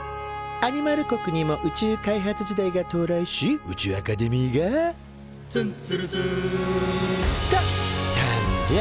アニマル国にも宇宙開発時代が到来し宇宙アカデミーが「つんつるつん」と誕生。